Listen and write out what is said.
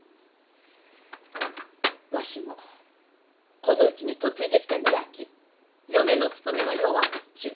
わしもこのうちに嫁いできた身やき嫁の務めはよう分かっちゅう。